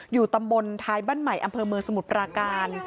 อยู่ตำบลท้ายบ้านใหม่อำเภอเมืองสมุทรปราการ